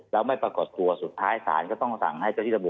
แล้วไม่ปรากฏตัวสุดท้ายศาลก็ต้องสั่งให้เจ้าที่ระบุ